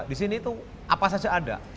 disini tuh apa saja ada